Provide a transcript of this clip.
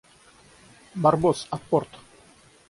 Барбос, апорт!